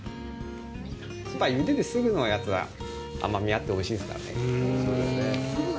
やっぱりゆでてすぐのやつは甘みがあっておいしいですからね。